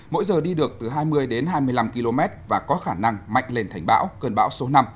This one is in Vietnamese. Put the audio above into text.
mỗi giờ đi được từ hai mươi đến hai mươi năm km và có khả năng mạnh lên thành bão cơn bão số năm